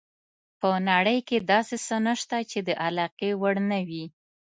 په نړۍ کې داسې څه نشته چې د علاقې وړ نه وي.